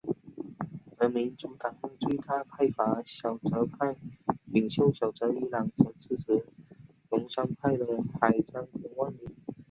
而民主党内最大派阀小泽派领袖小泽一郎则支持鸠山派的海江田万里。